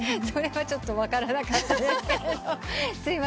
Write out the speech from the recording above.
それはちょっと分からなかったです。